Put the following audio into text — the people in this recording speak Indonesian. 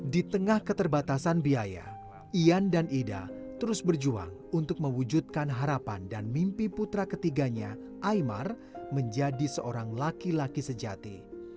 di tengah keterbatasan biaya ian dan ida terus berjuang untuk mewujudkan harapan dan mimpi putra ketiganya imar menjadi seorang laki laki sejati